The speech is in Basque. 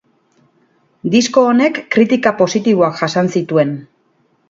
Disko honek kritika positiboak jasan zituen.